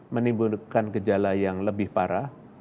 menimbulkan gejala yang lebih parah